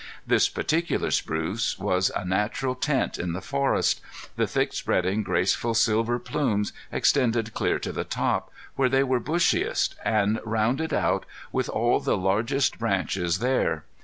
This particular spruce was a natural tent in the forest. The thick spreading graceful silver plumes extended clear to the top, where they were bushiest, and rounded out, with all the largest branches there.